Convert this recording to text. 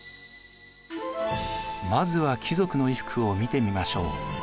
まずは貴族の衣服を見てみましょう。